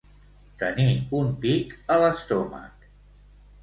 Tenir un pic a l'estómac.